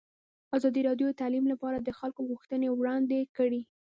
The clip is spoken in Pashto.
ازادي راډیو د تعلیم لپاره د خلکو غوښتنې وړاندې کړي.